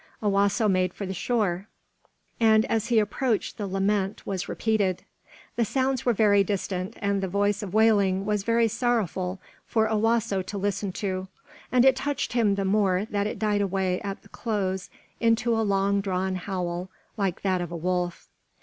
Owasso made for the shore, and as he approached the lament was repeated. The sounds were very distinct, and the voice of wailing was very sorrowful for Owasso to listen to; and it touched him the more that it died away at the close into a long drawn howl, like that of the wolf.